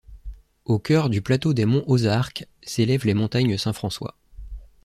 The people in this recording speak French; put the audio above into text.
Au cœur du plateau des monts Ozark s'élèvent les montagnes Saint-François.